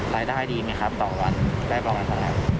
รายได้ดีไหมครับต่อวันได้เปล่าไหมครับ